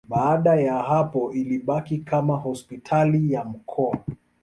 Baada ya hapo ilibaki kama hospitali ya mkoa.